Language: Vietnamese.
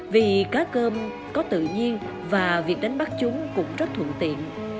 vì cá cơm có tự nhiên và việc đánh bắt chúng cũng rất thuận tiện